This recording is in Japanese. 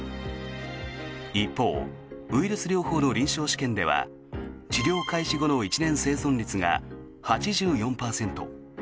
一方、ウイルス療法の臨床試験では治療開始後の１年生存率が８４％。